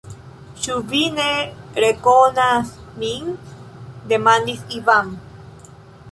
Ĉu vi ne rekonas min?demandis Ivan.